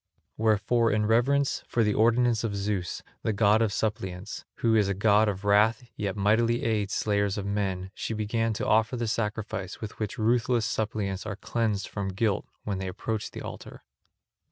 Wherefore in reverence for the ordinance of Zeus, the god of suppliants, who is a god of wrath yet mightily aids slayers of men, she began to offer the sacrifice with which ruthless suppliants are cleansed from guilt when they approach the altar.